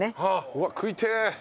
うわっ食いてえ。